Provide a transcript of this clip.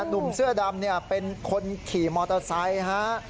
หนุ่มเสื้อดำเป็นคนขี่มอเตอร์ไซค์ฮะ